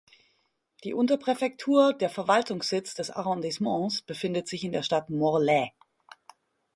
Die Unterpräfektur, der Verwaltungssitz des Arrondissements, befindet sich in der Stadt Morlaix.